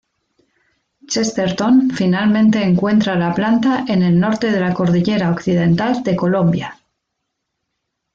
Chesterton finalmente encuentra la planta en el norte de la Cordillera Occidental de Colombia.